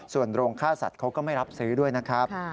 ส่วนโรงค่าสัตว์เขาก็ไม่รับซื้อด้วยนะครับ